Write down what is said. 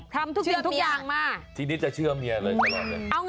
ทำทุกอย่างมาแล้วเยอะแยะทีนี้จะเชื่อเมียเยอะแบบนี้